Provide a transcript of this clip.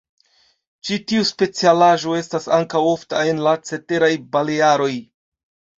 Ĉi tiu specialaĵo estas ankaŭ ofta en la ceteraj Balearoj.